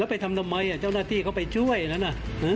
แล้วไปทำทำไมอ่ะเจ้าหน้าที่เขาไปช่วยแล้วน่ะ